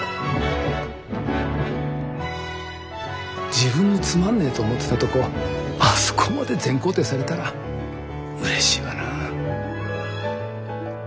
自分のつまんねえと思ってたとこあそこまで全肯定されたらうれしいわな。